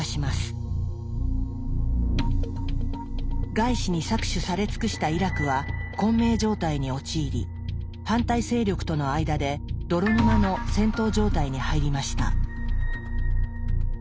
外資に搾取され尽くしたイラクは混迷状態に陥り反対勢力との間で泥沼の戦闘状態に入りました。